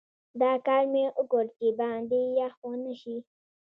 دا کار مې وکړ چې باندې یخ ونه شي.